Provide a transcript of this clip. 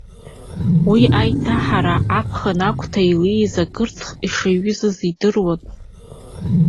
Уи аиҭаҳара, аԥхын агәҭа илеиз акырцх ишаҩызаз идыруан.